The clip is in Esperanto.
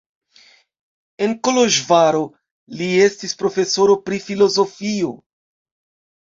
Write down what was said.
En Koloĵvaro li estis profesoro pri filozofio.